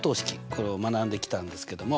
これを学んできたんですけども。